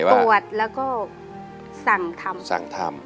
ตรวจแล้วก็สั่งทำ